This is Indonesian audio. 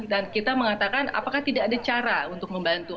dan kita mengatakan apakah tidak ada cara untuk membantu